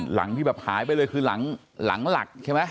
หลังที่แบบหายไปเลยคือหลังหลักใช่ไหม